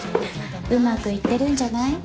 うまくいってるんじゃない？